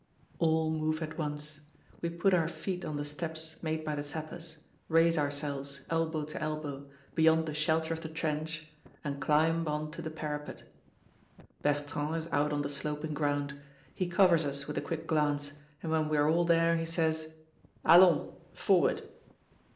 All move at once. We put our feet on the steps made by the sappers, raise ourselves, elbow to elbow, beyond the shelter of the trench, and climb on to the parapet. Bertrand is out on the sloping ground. He covers us with a quick glance, and when we are all there he says, "Allons, forward!"